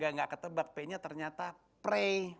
enggak ketebak p nya ternyata pray